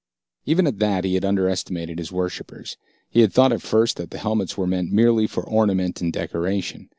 Even at that he had underestimated his worshippers. He had thought at first that the helmets were meant merely for ornament and decoration.